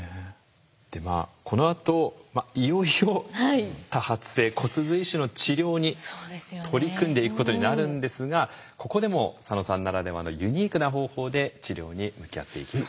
でまあこのあといよいよ多発性骨髄腫の治療に取り組んでいくことになるんですがここでも佐野さんならではのユニークな方法で治療に向き合っていきます。